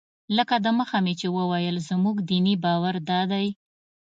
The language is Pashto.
لکه دمخه مې چې وویل زموږ دیني باور دادی.